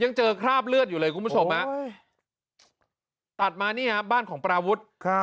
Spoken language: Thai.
ยังเจอคราบเลือดอยู่เลยคุณผู้ชมตัดมานี่ฮะบ้านของปราวุฒิ